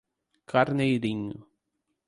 Carneirinho